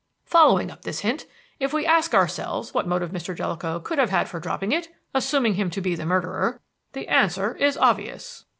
"Following up this hint, if we ask ourselves what motive Mr. Jellicoe could have had for dropping it assuming him to be the murderer the answer is obvious.